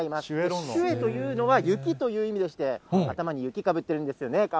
シュエというのは雪という意味でして、頭に雪かぶってるんですよね。